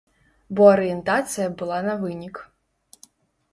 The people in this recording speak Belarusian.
Бо арыентацыя была на вынік.